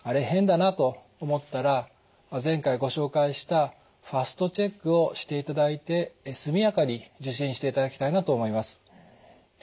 変だな」と思ったら前回ご紹介したＦＡＳＴチェックをしていただいて速やかに受診していただきたいなと思います。